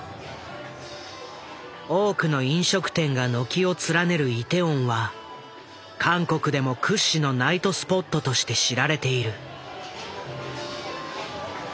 多くの飲食店が軒を連ねるイテウォンは韓国でも屈指のナイトスポットとして知られている。